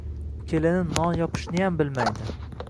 Kelinim non yopishniyam bilmaydi.